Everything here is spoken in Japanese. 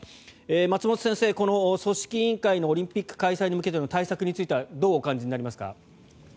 松本先生、この組織委員会のオリンピック開催に向けての対策についてはどうお感じになりますか？